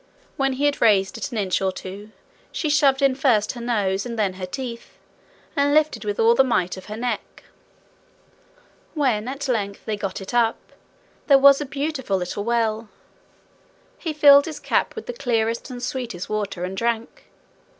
When he had raised it an inch or two, she shoved in first her nose and then her teeth, and lifted with all the might of her neck. When at length between them they got it up, there was a beautiful little well. He filled his cap with the clearest and sweetest water, and drank.